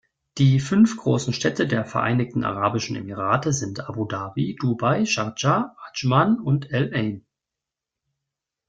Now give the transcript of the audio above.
Die fünf großen Städte der Vereinigten Arabischen Emirate sind Abu Dhabi, Dubai, Schardscha, Adschman und Al-Ain.